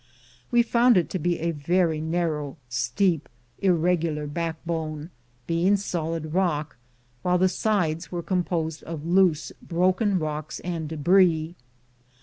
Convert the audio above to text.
We found it to be a very narrow, steep, irregu lar backbone, being solid rock, while the sides were composed of loose broken rocks and debris.